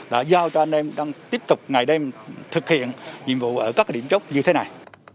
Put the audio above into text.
đã giao cho anh em đang tiếp tục ngày đêm thực hiện nhiệm vụ ở các điểm chốt như thế này